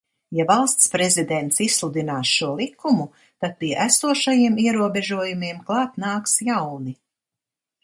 Ja Valsts prezidents izsludinās šo likumu, tad pie esošajiem ierobežojumiem klāt nāks jauni.